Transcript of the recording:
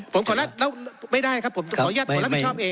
ผมขอแล้วไม่ได้ครับผมขออนุญาตขอแล้วพี่ชอบเอง